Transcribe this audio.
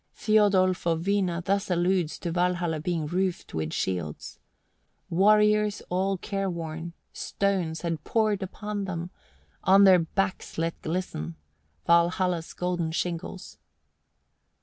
Thiodolf of Hvina thus alludes to Valhalla being roofed with shields. "Warriors all care worn, (Stones had poured upon them), On their backs let glisten Valhalla's golden shingles."